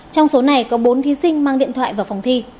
trong số này có bốn thí sinh mang điện thoại vào phòng thi